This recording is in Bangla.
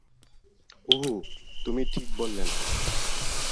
উঁহু, তুমি ঠিক বললে না।